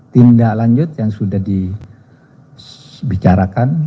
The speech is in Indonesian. tindak lanjut yang sudah dibicarakan